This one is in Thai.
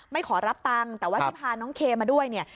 ขอรับตังค์แต่ว่าที่พาน้องเคมาด้วยเนี่ย